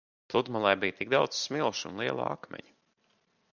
Pludmalē bija tik daudz smilšu un lielo akmeņu.